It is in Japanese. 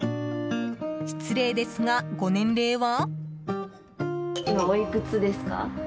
失礼ですが、ご年齢は？